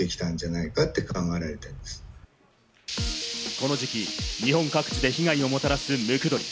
この時期、日本各地で被害をもたらすムクドリ。